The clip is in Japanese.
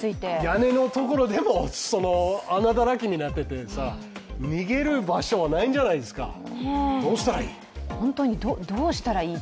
屋根のところでも穴だらけになってて、逃げる場所がないんじゃないですか、どうしたらいい。